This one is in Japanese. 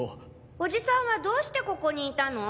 おじさんはどうしてここにいたの？